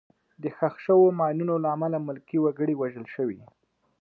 د ښخ شوو ماینونو له امله ملکي وګړي وژل شوي.